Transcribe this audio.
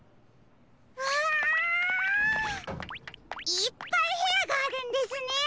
いっぱいへやがあるんですね。